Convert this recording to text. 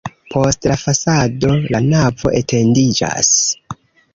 Post la fasado la navo etendiĝas.